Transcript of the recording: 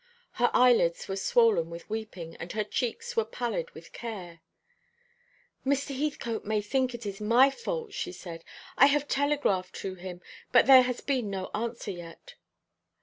Her eyelids were swollen with weeping, and her cheeks were pallid with care. "Mr. Heathcote may think it my fault," she said. "I have telegraphed to him; but there has been no answer yet."